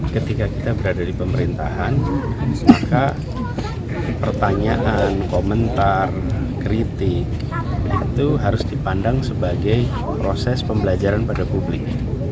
ketika kita berada di pemerintahan maka pertanyaan komentar kritik itu harus dipandang sebagai proses pembelajaran pada publik